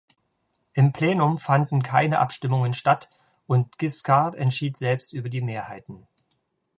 Im Plenum fanden keine Abstimmungen statt, und Giscard entschied selbst über die Mehrheiten.